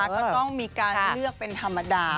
ก็ต้องมีการเลือกเป็นธรรมดา